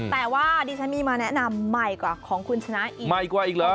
แต่ว่าดิฉันมีมาแนะนำใหม่กว่าของคุณชนะอีกใหม่กว่าอีกเหรอ